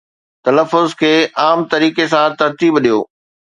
تلفظ کي عام طريقي سان ترتيب ڏيو